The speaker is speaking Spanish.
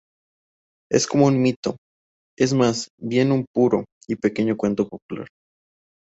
Es como un mito, es más bien un puro y pequeño cuento popular"".